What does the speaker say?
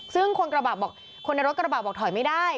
ซึ่งคนในรถกระบะบอกถอยไม่ได้